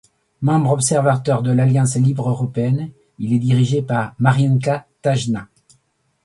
Membre observateur de l'Alliance libre européenne, il est dirigé par Marienka Tajnay.